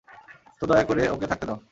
তো দয়া করে, ওকে থাকতে দাও।